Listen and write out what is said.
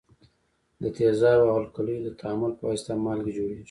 د تیزابو او القلیو د تعامل په واسطه مالګې جوړیږي.